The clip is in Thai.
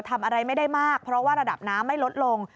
ทำอะไรไม่ได้มากเพราะว่าระดับน้ำไม่ลดลง